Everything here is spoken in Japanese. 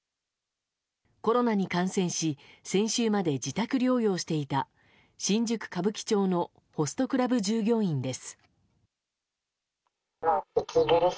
コロナに感染し先週まで自宅療養していた新宿・歌舞伎町のホストクラブ従業員です。